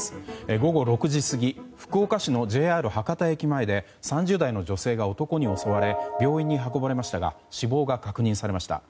午後６時過ぎ福岡市のＪＲ博多駅前で３０代の女性が男に襲われ病院に運ばれましたが死亡が確認されました。